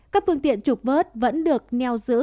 các phương tiện trục vớt vẫn được nheo giữ